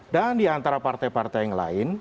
dan diantara partai partai yang lain